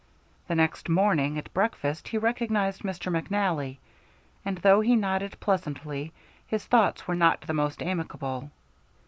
The next morning at breakfast he recognized Mr. McNally, and though he nodded pleasantly, his thoughts were not the most amicable.